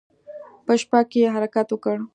په شپه کې يې حرکت وکړ.